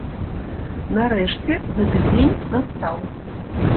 Нарэшце гэты дзень настаў.